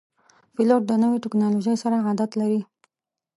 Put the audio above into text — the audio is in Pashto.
پیلوټ د نوي ټکنالوژۍ سره عادت لري.